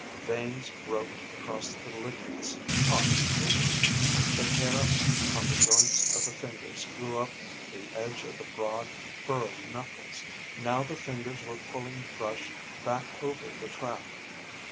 Veins roped across the ligaments' taut ridges. The hair on the joints of the fingers grew up to edge of the broad, furrowed knuckles. Now the finders were pulling the brush back over the trap.